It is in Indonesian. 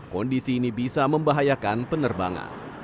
kondisi ini bisa membahayakan penerbangan